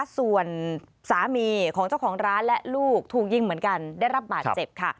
ส่วนสามีของเจ้าของร้านและลูกถูกยิงเหมือนกันได้รับบาดเจ็บค่ะ